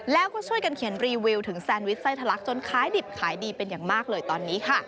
แล้วก็ช่วยกันเขียนรีวิวถึงแซนวิชไส้ทะลักจนขายดิบขายดีเป็นอย่างมากเลยตอนนี้ค่ะ